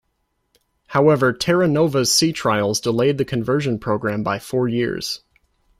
However "Terra Nova"s sea trials delayed the conversion program by four years.